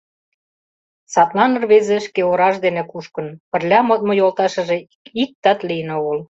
Садлан рвезе шкеораж дене кушкын, пырля модмо йолташыже иктат лийын огыл.